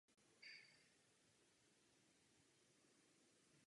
Během nacistické okupace byl členem ilegální skupiny.